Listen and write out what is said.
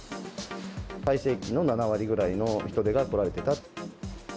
最盛期の７割ぐらいの人が来られてた。